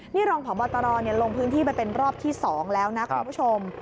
นี่รองพบตรลงพื้นที่ไปเป็นรอบที่๒แล้วนะคุณผู้ชม